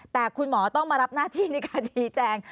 แต่คุณหมอต้องมารับหน้าที่ในการชี้แจง